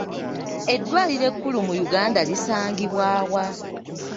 Eddwaliro ekkulu mu Uganda lisangibwa wa?